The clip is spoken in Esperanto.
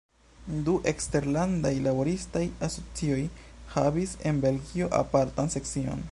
Du eksterlandaj laboristaj asocioj havis en Belgio apartan sekcion.